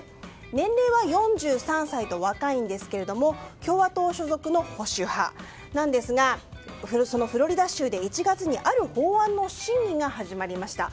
年齢は４３歳と若いんですが共和党所属の保守派なんですがそのフロリダ州で１月にある法案の審議が始まりました。